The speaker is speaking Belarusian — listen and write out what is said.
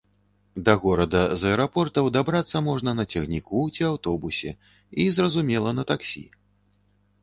Да горада з аэрапортаў дабрацца можна на цягніку ці аўтобусе і, зразумела, на таксі.